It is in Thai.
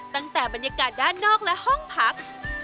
ตั้งแต่บรรยากาศด้านนอกและห้องพัก